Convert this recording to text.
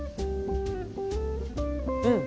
うん！